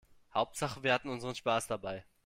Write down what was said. Hauptsache wir hatten unseren Spaß dabei.